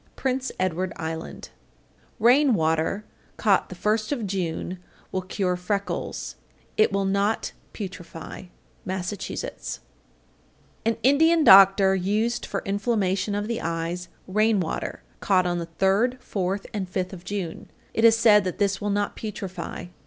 Prince Edward Island. 840. Rain water caught the first of June will cure freckles. It will not putrefy. Massachusetts. 841. An Indian doctor used for inflammation of the eyes rain water caught on the third, fourth, and fifth of June. It is said that this will not putrefy.